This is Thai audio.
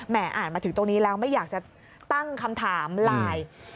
อ่านมาถึงตรงนี้แล้วไม่อยากจะตั้งคำถามไลน์